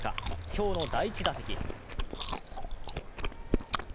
今日の第１打席。